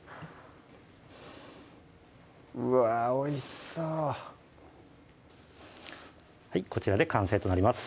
うわおいしそうこちらで完成となります